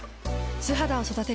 素肌を育てる。